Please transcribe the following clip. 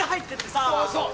そうそう。